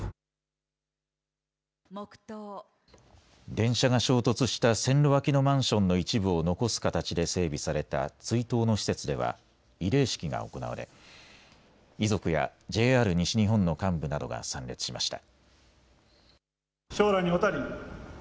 電車が衝突した線路脇のマンションの一部を残す形で整備された追悼の施設では慰霊式が行われ遺族やＪＲ西日本の幹部などが参列しました。